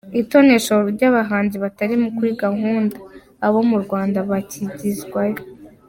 Itoneshwa ry’abahanzi batari kuri gahunda, abo mu Rwanda bakigizwayo.